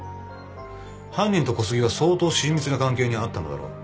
犯人と小杉は相当親密な関係にあったのだろう。